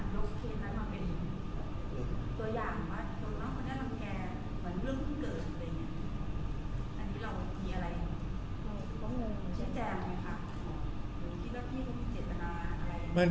ไม่มีอะไรที่ตัวคติคือ